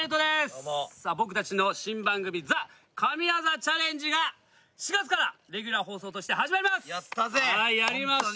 どうも僕たちの新番組「ＴＨＥ神業チャレンジ」が４月からレギュラー放送として始まりますやったぜホントにはいやりました